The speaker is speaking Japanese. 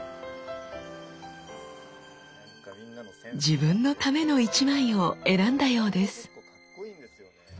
自分のための一枚を選んだようです。